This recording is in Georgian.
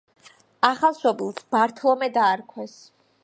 ახალშობილს ბართლომე დაარქვეს.